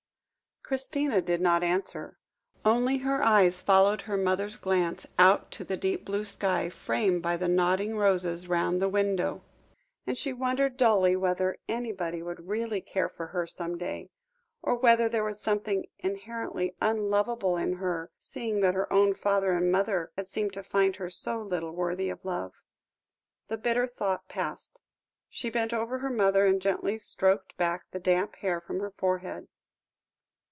Christina did not answer, only her eyes followed her mother's glance out to the deep blue sky framed by the nodding roses round the window; and she wondered dully whether anybody would really care for her some day, or whether there was something inherently unlovable in her, seeing that her own father and mother had seemed to find her so little worthy of love. The bitter thought passed. She bent over her mother, and gently stroked back the damp hair from her forehead.